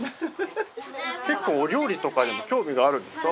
結構お料理とか興味があるんですか？